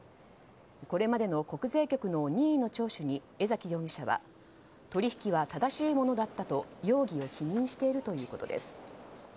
これまでの国税局の任意の聴取に江崎容疑者は取引は正しいものだったと容疑を否認しているということです。